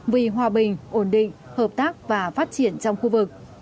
vì hòa bình ổn định hợp tác và phát triển trong khu vực